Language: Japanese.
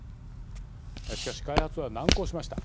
しかし、開発は難航しました。